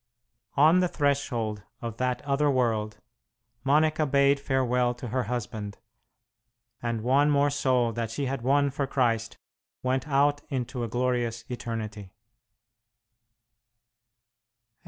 On the threshold of that other world Monica bade farewell to her husband, and one more soul that she had won for Christ went out into a glorious eternity.